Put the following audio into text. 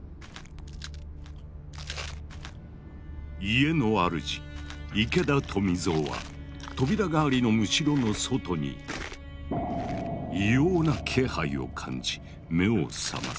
家のあるじ池田富蔵は扉代わりのむしろの外に異様な気配を感じ目を覚ます。